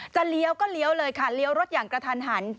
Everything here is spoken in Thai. เลี้ยวก็เลี้ยวเลยค่ะเลี้ยวรถอย่างกระทันหัน